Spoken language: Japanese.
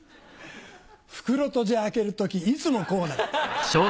袋とじ開ける時いつもこうだ。